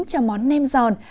cho món nem giòn